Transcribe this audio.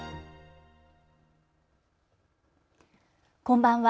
こんばんは。